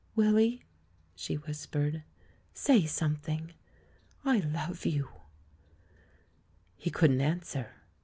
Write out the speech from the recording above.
"Willy," she whispered, "say something — I love you!'* He couldn't answer.